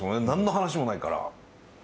何の話もないから。